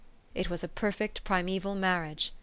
" It was a perfect primeval marriage.